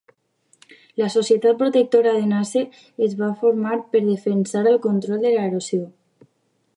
La societat protectora de Naze es va formar per defensar el control de l'erosió.